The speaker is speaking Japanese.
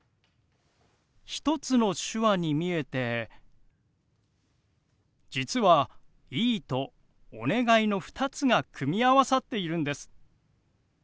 １つの手話に見えて実は「いい」と「お願い」の２つが組み合わさっているんです。